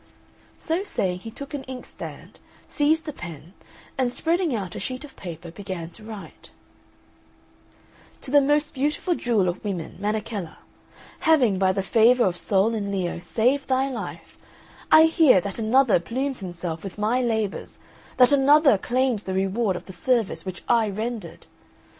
So saying he took an inkstand, seized a pen, and spreading out a sheet of paper, began to write: "To the most beautiful jewel of women, Menechella Having, by the favour of Sol in Leo, saved thy life, I hear that another plumes himself with my labours, that another claims the reward of the service which I rendered.